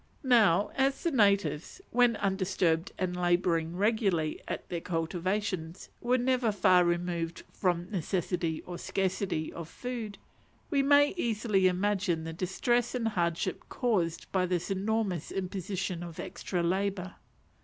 Now as the natives, when undisturbed and labouring regularly at their cultivations, were never far removed from necessity or scarcity of food, we may easily imagine the distress and hardship caused by this enormous imposition of extra labour.